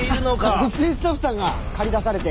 音声スタッフさんが駆り出されて！